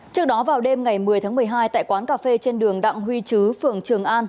trước đó vào đêm ngày một mươi tháng một mươi hai tại quán cà phê trên đường đặng huy chứ phường trường an